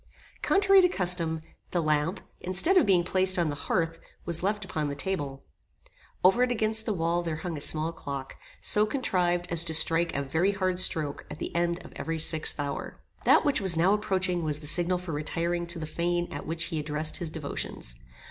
Contrary to custom, the lamp, instead of being placed on the hearth, was left upon the table. Over it against the wall there hung a small clock, so contrived as to strike a very hard stroke at the end of every sixth hour. That which was now approaching was the signal for retiring to the fane at which he addressed his devotions.